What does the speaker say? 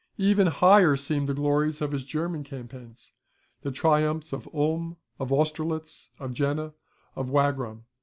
Even higher seemed the glories of his German campaigns, the triumphs of Ulm, of Austerlitz, of Jena, of Wagram.